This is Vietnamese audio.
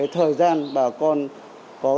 thời gian bà con có